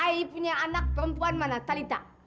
ayah punya anak perempuan mana talita